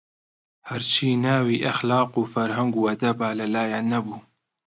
هەرچی ناوی ئەخلاق و فەرهەنگ و ئەدەبە لایان نەبوو